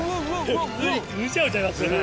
普通にうじゃうじゃいますね。